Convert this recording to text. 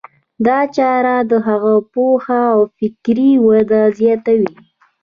دا چاره د هغه پوهه او فکري وده زیاتوي.